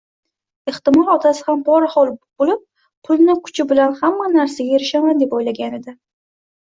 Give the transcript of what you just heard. Ehtimol otasi ham poraxoʻr boʻlib, pulni kuchi bilan hamma narsaga erishaman deb oʻylagan edi.